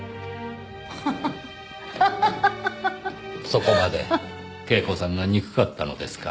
そこまで恵子さんが憎かったのですか？